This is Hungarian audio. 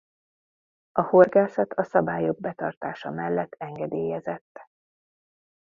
A horgászat a szabályok betartása mellett engedélyezett.